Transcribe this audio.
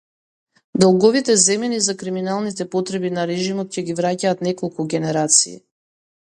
Долговите земени за криминалните потреби на режимот ќе ги враќаат неколку генерации.